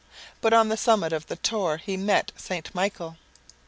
But on the summit of the Tor he met St. Michael.